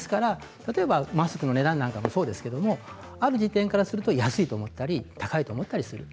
例えばマスクの値段もそうですけど、ある時点からすると安いと思ったり高いと思ったりする。